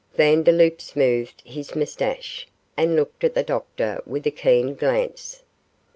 Vandeloup smoothed his moustache, and looked at the doctor with a keen glance.